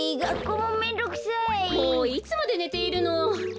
もういつまでねているの。